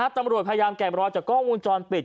ตำรวจพยายามแกะบรอยจากกล้องวงจรปิด